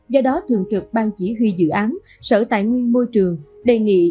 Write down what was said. do đó thường trực ban chỉ huy dự án sở tài nguyên môi trường đề nghị